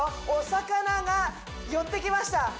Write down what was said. お魚が寄ってきました